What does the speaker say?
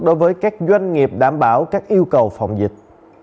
đối với các doanh nghiệp đảm bảo các yêu cầu phòng dịch